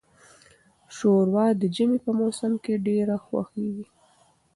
شوروا د ژمي په موسم کې ډیره خوښیږي.